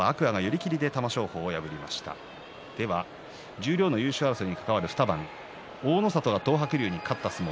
十両の優勝争いに関わる２番、大の里が東白龍に勝った一番。